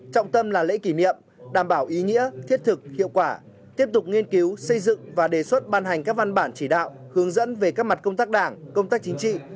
trọng tâm là lễ kỷ niệm đảm bảo ý nghĩa thiết thực hiệu quả tiếp tục nghiên cứu xây dựng và đề xuất ban hành các văn bản chỉ đạo hướng dẫn về các mặt công tác đảng công tác chính trị